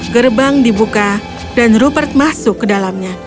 gerbang dibuka dan rupert masuk ke dalamnya